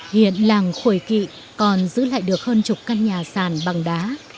hiện làng khổi kỵ còn giữ lại được hơn chục căn nhà sàn bằng đá